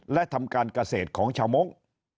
และทำการเกษตรของชาวมงค์